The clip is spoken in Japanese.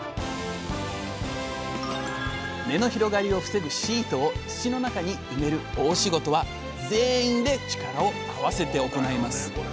根の広がりを防ぐシートを土の中に埋める大仕事は全員で力を合わせて行います。